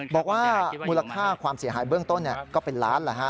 บอกว่ามูลค่าความเสียหายเบื้องต้นก็เป็นล้าน